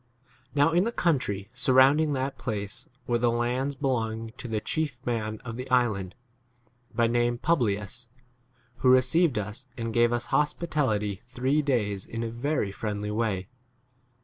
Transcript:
7 Now in the country surrounding that place were the lands belonging to the chief man c of the island, by name Publius, who received us and gave [us] hospitality three days in 8 a very friendly way.